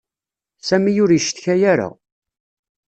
Sami ur icetka ara.